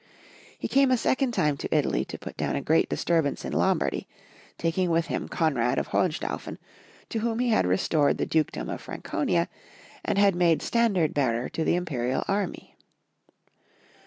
He came a second time to Italy to put down a great distiu'bance in Lombardy, taking with him Konrad of Hohen staufen, to. whom he had restored the dukedom of Franconia, and had made standard bearer to the Imperial army.